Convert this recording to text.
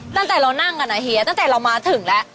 ตั้งแต่เรานั่งกันนะเฮียตั้งแต่เรามาถึงแล้ว